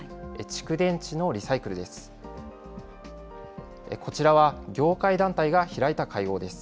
蓄電池のリサイクルです。